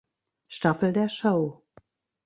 Staffel der Show.